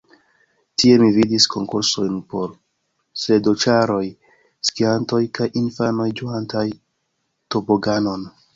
Tie mi vidis konkursojn por sledoĉaroj, skiantoj kaj infanoj, ĝuantaj toboganon.